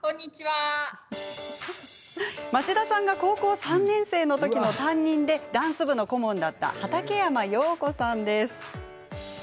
町田さんが高校３年生のときの担任で、ダンス部の顧問だった畠山洋子さんです。